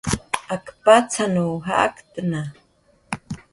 Ak patzanw jaktna